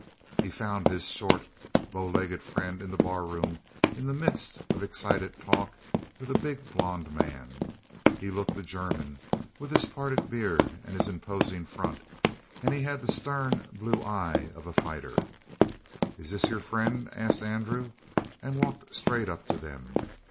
He found his short, bow legged friend in the barroom in the midst of excited talk with a big, blond man. He looked a German, with his parted beard and his imposing front and he had the stern blue eye of a fighter. "Is this your friend?" asked Andrew, and walked straight up to them.